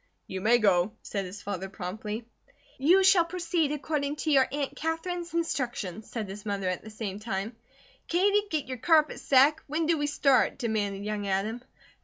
"You may go," said his father, promptly. "You shall proceed according to your Aunt Katherine's instructions," said his mother, at the same time. "Katie, get your carpet sack! When do we start?" demanded young Adam.